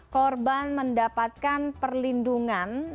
korban mendapatkan perlindungan